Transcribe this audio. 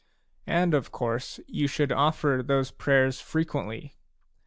And of course you should ofFer those prayers frequently.